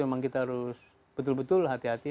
memang kita harus betul betul hati hati